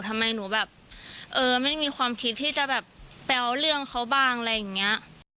ทำไมหนูแบบเออไม่มีความคิดที่จะแบบแปลวเรื่องเขาบ้างอะไรอย่างนี้